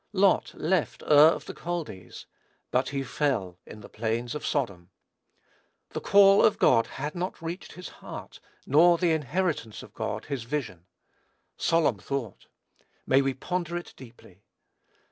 Lot left "Ur of the Chaldees," but he fell in the plains of Sodom. The call of God had not reached his heart, nor the inheritance of God filled his vision. Solemn thought! may we ponder it deeply!